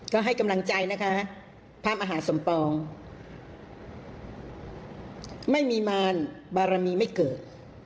ก็ให้กำลังใจนะคะพระมหาสมปองไม่มีมารบารมีไม่เกิด